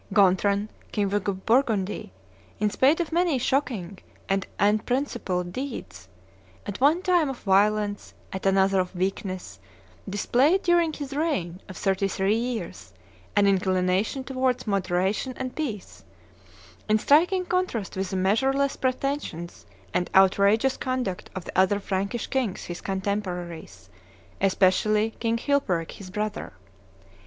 (III. xxv.) Gontran, king of Burgundy, in spite of many shocking and unprincipled deeds, at one time of violence, at another of weakness, displayed, during his reign of thirty three years, an inclination towards moderation and peace, in striking contrast with the measureless pretensions and outrageous conduct of the other Frankish kings his contemporaries, especially King Chilperic his brother.